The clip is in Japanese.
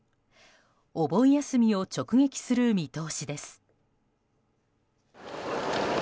お盆休みを直撃する見通しです。